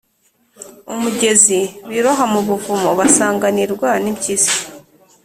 umugezi, biroha mu buvumo, basanganirwa n’impyisi.”